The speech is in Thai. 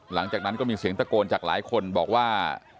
หลังจากนั้นก็มีเสียงตะโกนจากหลายคนบอกว่า